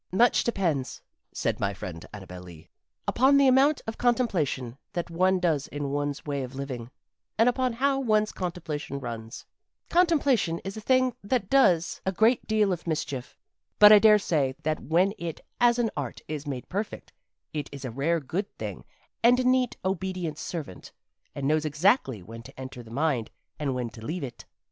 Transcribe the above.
"Much depends," said my friend Annabel Lee, "upon the amount of contemplation that one does in one's way of living, and upon how one's contemplation runs. Contemplation is a thing that does a great deal of mischief. But I daresay that when it as an art is made perfect it is a rare good thing and a neat, obedient servant, and knows exactly when to enter the mind and when to leave it.